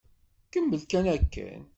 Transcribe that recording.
Kemmel kan akken.